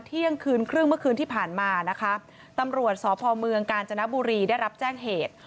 เที่ยงคืนครึ่งเมื่อคืนที่ผ่านมานะคะตำรวจสพเมืองกาญจนบุรีได้รับแจ้งเหตุ